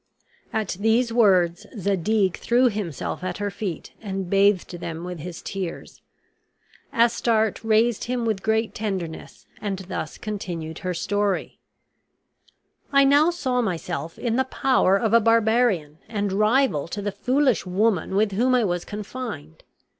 At these words Zadig threw himself at her feet and bathed them with his tears. Astarte raised him with great tenderness and thus continued her story: "I now saw myself in the power of a barbarian and rival to the foolish woman with whom I was confined.